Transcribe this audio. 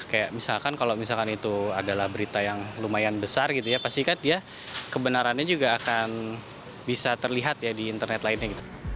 kayak misalkan kalau misalkan itu adalah berita yang lumayan besar gitu ya pasti kan dia kebenarannya juga akan bisa terlihat ya di internet lainnya gitu